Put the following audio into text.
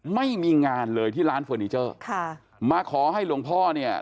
ไม่มีงานเลยที่ร้านเฟอร์นิเจอร์ค่ะมาขอให้หลวงพ่อเนี่ย